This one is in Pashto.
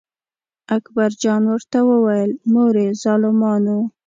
اکبر جان ورته وویل: مورې ظالمانو.